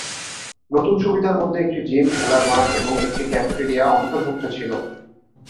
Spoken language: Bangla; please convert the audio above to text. নতুন সুবিধার মধ্যে একটি জিম, খেলার মাঠ এবং একটি ক্যাফেটেরিয়া অন্তর্ভুক্ত ছিল।